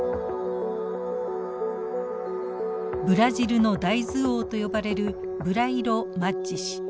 ブラジルの大豆王と呼ばれるブライロ・マッジ氏。